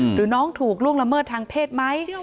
หรือน้องถูกล่วงละเมิดทางเพศไหม